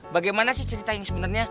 bagaimana sih cerita yang sebenarnya